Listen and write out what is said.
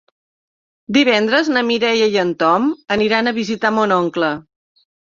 Divendres na Mireia i en Tom aniran a visitar mon oncle.